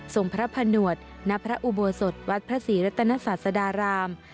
ทรงพระผนวชณพระอุบวสศวัดพระศรีรัตนศาสตราราม